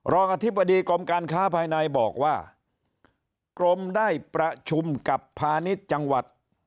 อธิบดีกรมการค้าภายในบอกว่ากรมได้ประชุมกับพาณิชย์จังหวัด